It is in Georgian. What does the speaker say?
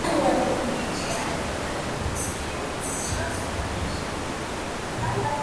ჯოვანი მედიჩისა და კატერინა სფორცას ვაჟი.